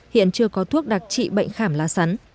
hiện chưa có thuốc đặc trị bệnh khảm lá sắn